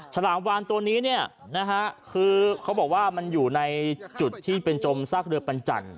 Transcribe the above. ฉลามวานตัวนี้เนี่ยนะฮะคือเขาบอกว่ามันอยู่ในจุดที่เป็นจมซากเรือปัญจันท